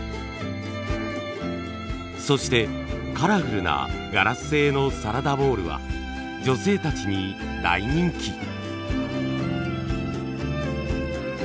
そしてカラフルなガラス製のサラダボウルは女性たちに大人気。